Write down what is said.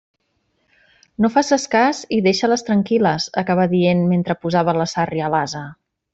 «No faces cas i deixa-les tranquil·les», acabà dient mentre posava la sàrria a l'ase.